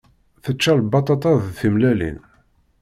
Tečča lbaṭaṭa d tmellalin.